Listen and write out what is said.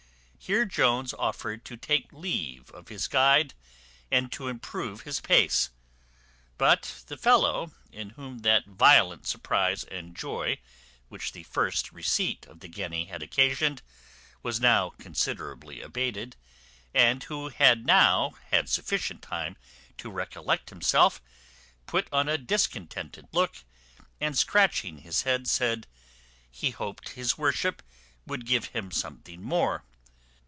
Here Jones offered to take leave of his guide, and to improve his pace; but the fellow, in whom that violent surprize and joy which the first receipt of the guinea had occasioned was now considerably abated, and who had now had sufficient time to recollect himself, put on a discontented look, and, scratching his head, said, "He hoped his worship would give him something more.